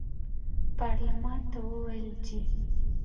پارلمان ته وویل چې